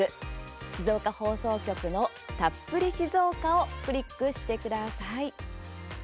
静岡放送局の「たっぷり静岡」をクリックしてください。